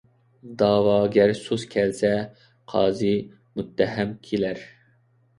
دەۋاگەر سۇس كەلسە، قازى مۇتتەھەم كىلەر.